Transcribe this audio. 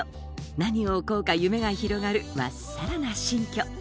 何を置こうか夢が広がる真っさらな新居